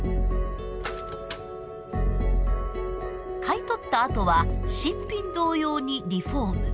買い取ったあとは新品同様にリフォーム。